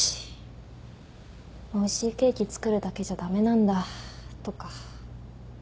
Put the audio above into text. おいしいケーキ作るだけじゃ駄目なんだとか。